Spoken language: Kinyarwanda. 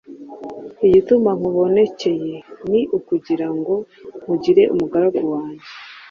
Igituma nkubonekeye ni ukugira ngo nkugire umugaragu wanjye